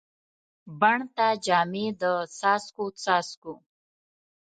بڼ ته جامې د څاڅکو، څاڅکو